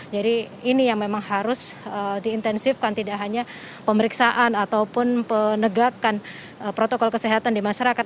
jadi ini yang memang harus diintensifkan tidak hanya pemeriksaan ataupun penegakan protokol kesehatan di masyarakat